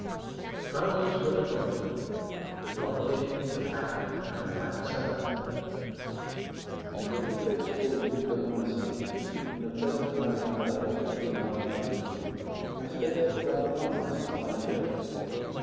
TRAVELS WITH A DONKEY THE DONKEY, THE PACK, AND THE PACK SADDLE In a little place called Le Monastier, in a pleasant highland valley fifteen miles from Le Puy, I spent about a month of fine days.